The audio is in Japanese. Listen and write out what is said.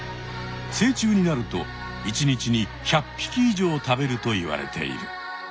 成虫になると１日に１００ぴき以上食べるといわれている。